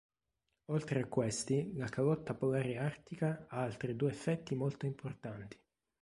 Oltre a questi, la calotta polare artica ha altri due effetti molto importanti.